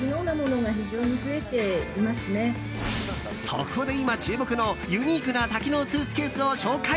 そこで今、注目のユニークな多機能スーツケースを紹介。